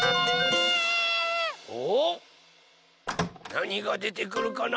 なにがでてくるかな？